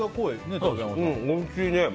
おいしいね。